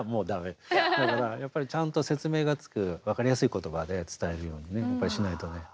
だからやっぱりちゃんと説明がつく分かりやすい言葉で伝えるようにやっぱりしないとね。